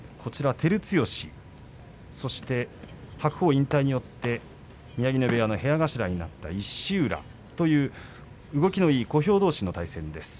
照強、そして白鵬引退によって宮城野部屋の部屋頭になった石浦という動きのいい小兵どうしの対戦です。